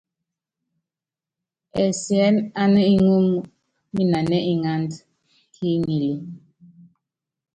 Ɛsien ana ŋúm minanɛ ŋánd ki ŋilí.